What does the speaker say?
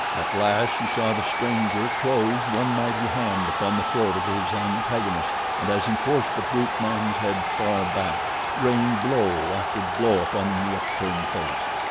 At last she saw the stranger close one mighty hand upon the throat of his antagonist, and as he forced the bruteman's head far back rain blow after blow upon the upturned face.